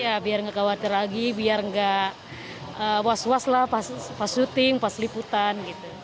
ya biar nggak khawatir lagi biar nggak was was lah pas syuting pas liputan gitu